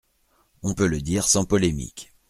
On peut le dire sans polémique.